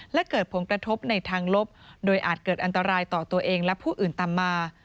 และเกิดผลกระทบในทางลบโดยอาจเกิดอันตรายต่อตัวเองและผู้อื่นตามมา